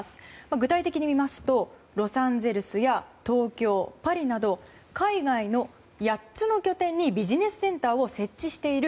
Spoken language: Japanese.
具体的に見ますとロサンゼルスや東京、パリなど海外の８つの拠点にビジネスセンターを設置している。